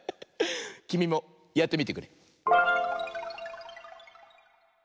きみもやってみてくれ。